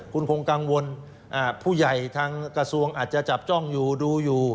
คุณคงกังวลผู้ใหญ่ทางกระทรวงอาจจะจับจ้องอยู่ดูอยู่